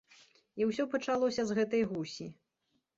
І ўсё пачалося з гэтай гусі.